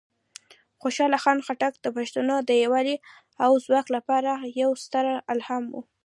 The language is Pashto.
خوشحال خان خټک د پښتنو د یوالی او ځواک لپاره یوه ستره الهام وه.